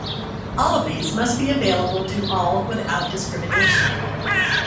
All of these must be available to all without discrimination.